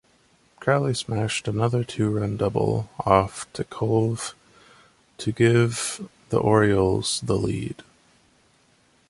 Crowley smashed another two-run double off Tekulve to give the Orioles the lead.